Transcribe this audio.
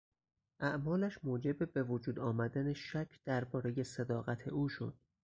اعمالش موجب به وجود آمدن شک دربارهی صداقت او شد.